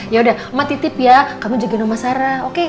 ya udah uma titip ya kamu jaga noma sara oke